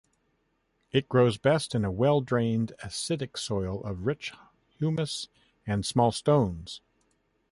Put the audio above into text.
It grows best in a well-drained acidic soil of rich humus and small stones.